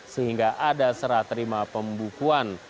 sehingga ada serah terima pembukuan